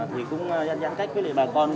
thì cũng giãn cách với bà con